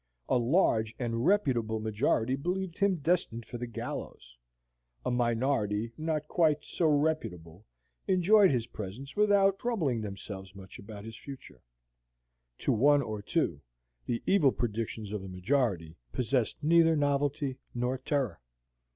A large and reputable majority believed him destined for the gallows; a minority not quite so reputable enjoyed his presence without troubling themselves much about his future; to one or two the evil predictions of the majority possessed neither novelty nor terror.